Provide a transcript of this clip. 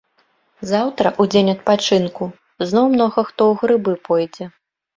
Заўтра, у дзень адпачынку, зноў многа хто ў грыбы пойдзе.